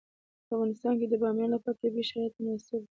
په افغانستان کې د بامیان لپاره طبیعي شرایط مناسب دي.